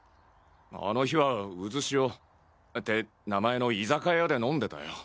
あの日は「うず潮」って名前の居酒屋で飲んでたよ。